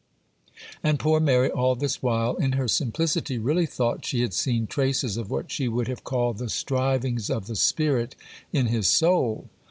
] And poor Mary all this while, in her simplicity, really thought she had seen traces of what she would have called 'the strivings of the Spirit in his soul.